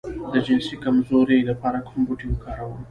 د جنسي کمزوری لپاره کوم بوټی وکاروم؟